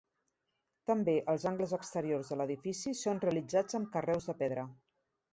També els angles exteriors de l'edifici són realitzats amb carreus de pedra.